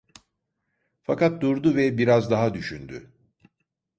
Fakat durdu ve biraz daha düşündü...